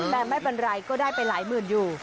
แต่ไม่เป็นไรก็ได้ไปหลายหมื่นอยู่